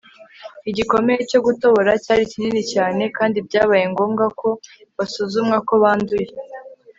igikomere cyo gutobora cyari kinini cyane kandi byabaye ngombwa ko basuzumwa ko banduye